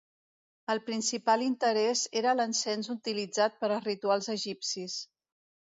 El principal interès era l'encens utilitzat per als rituals egipcis.